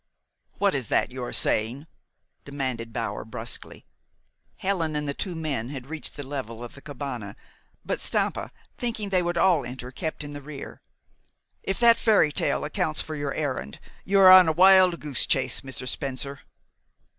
"What is that you are saying?" demanded Bower bruskly. Helen and the two men had reached the level of the cabane; but Stampa, thinking they would all enter, kept in the rear, "If that fairy tale accounts for your errand, you are on a wild goose chase, Mr. Spencer."